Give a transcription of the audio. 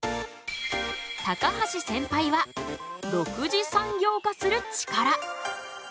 高橋センパイは「６次産業化するチカラ」。